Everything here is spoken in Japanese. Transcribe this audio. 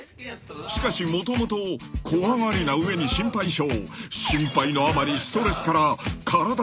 ［しかしもともと怖がりな上に心配性］